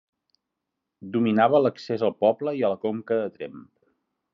Dominava l'accés al poble i a la Conca de Tremp.